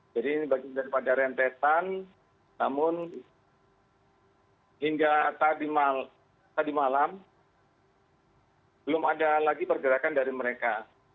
jadi ini bagi kita pada rentetan namun hingga tadi malam belum ada lagi pergerakan dari mereka